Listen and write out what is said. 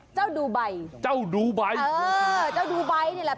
เจ้าดูไบเออเจ้าดูไบเนี่ยแหละ